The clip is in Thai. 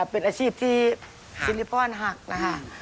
เป็นอาชีพที่สิริพรหักนะคะ